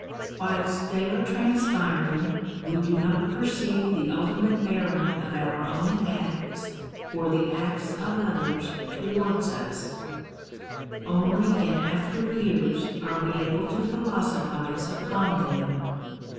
Whilst they are transpiring, we do not perceive the ultimate bearing of our own acts or the acts of others towards us ; only in after years are we able to philosophize upon them.